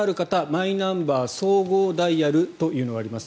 マイナンバー総合ダイヤルというのがあります。